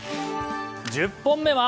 １０本目は？